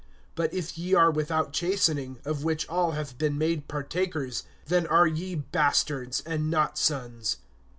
(8)But if ye are without chastening, of which all have been made partakers, then are ye bastards, and not sons.